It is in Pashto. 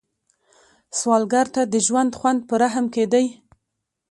سوالګر ته د ژوند خوند په رحم کې دی